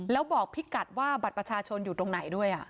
แล้วบอกพี่กัดว่าบัตรประชาชนอยู่ตรงไหนด้วย